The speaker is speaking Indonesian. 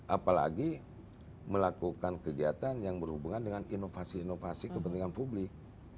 apalagi melakukan kegiatan yang berhubungan dengan inovasi inovasi kepentingan publik